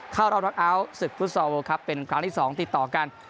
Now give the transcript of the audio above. เข้ารอบสุดครับเป็นครั้งที่สองติดต่อกัน